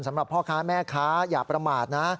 สำหรับพ่อค้าแม่ค้าอย่าประมาทนะ